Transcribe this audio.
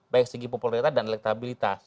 baik segi popularitas dan elektabilitas